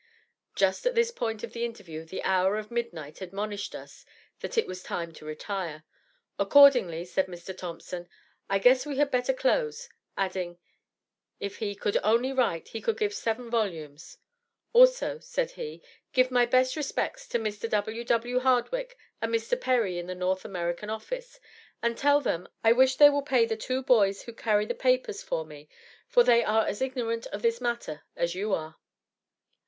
Just at this point of the interview, the hour of midnight admonished us that it was time to retire. Accordingly, said Mr. Thompson, "I guess we had better close," adding, if he "could only write, he could give seven volumes!" Also, said he, "give my best respects to Mr. W.W. Hardwicke, and Mr. Perry in the National American office, and tell them I wish they will pay the two boys who carry the papers for me, for they are as ignorant of this matter as you are."